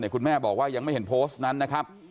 คุณแม่บอกว่ายังไม่เห็นโพสต์นั้นนะครับ